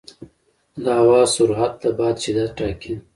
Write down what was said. د هوا سرعت د باد شدت ټاکي.